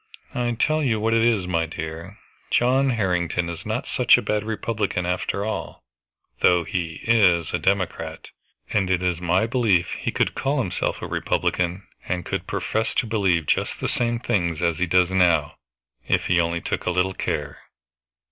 "I tell you what it is, my dear, John Harrington is not such a bad Republican after all, though he is a Democrat. And it is my belief he could call himself a Republican, and could profess to believe just the same things as he does now, if he only took a little care."